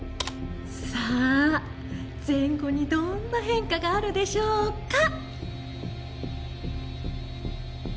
さあ前後にどんな変化があるでしょうか？